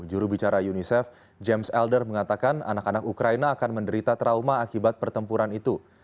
jurubicara unicef james elder mengatakan anak anak ukraina akan menderita trauma akibat pertempuran itu